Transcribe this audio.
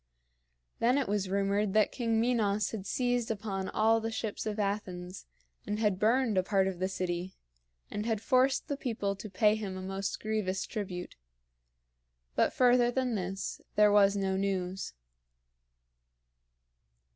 Then it was rumored that King Minos had seized upon all the ships of Athens, and had burned a part of the city, and had forced the people to pay him a most grievous tribute. But further than this there was no news.